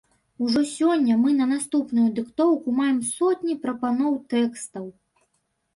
Ужо сёння мы на наступную дыктоўку маем сотні прапаноў тэкстаў!